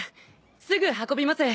すぐ運びます。